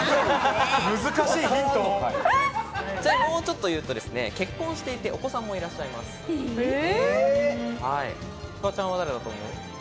もうちょっと言うと、結婚していて、お子さんもいらっしゃいます。